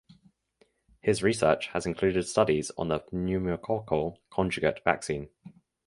His research has included studies on the pneumococcal conjugate vaccine.